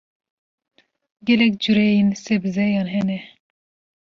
Gelek cureyên sebzeyan hene.